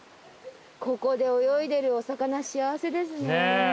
ここで泳いでるお魚幸せですね。